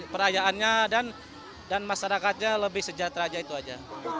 perayaannya dan masyarakatnya lebih sejahtera aja itu aja